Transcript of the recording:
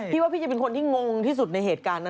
ว่าพี่จะเป็นคนที่งงที่สุดในเหตุการณ์นั้น